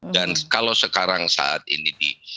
dan kalau sekarang saat ini